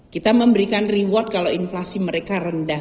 kita memberikan reward kalau inflasi mereka rendah